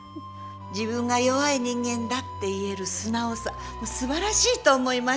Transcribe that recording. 自分が弱い人間だって言える素直さすばらしいと思いました。